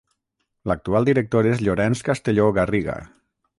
L’actual director és Llorenç Castelló Garriga.